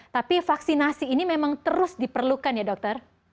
tapi vaksinasi ini memang terus diperlukan ya dokter